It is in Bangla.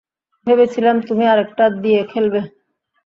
ভেবেছিলাম তুমি আরেকটা দিয়ে খেলবে।